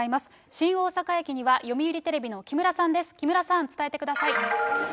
新大阪駅には読売テレビの木村さんです。